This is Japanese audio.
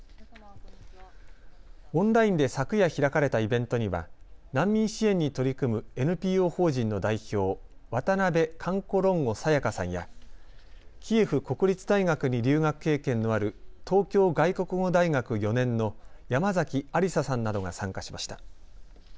オンラインで昨夜、開かれたイベントには難民支援に取り組むＮＰＯ法人の代表、渡部カンコロンゴ清花さんや、キエフ国立大学に留学経験のある東京外国語大学４年の山崎有紗さんなどが参加しました。